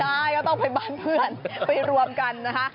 ใช่ก็ต้องไปบ้านเพื่อนไปรวมกันนะคะ